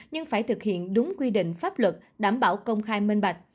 nhưng phải thực hiện đúng quy định pháp luật đảm bảo công khai minh bạch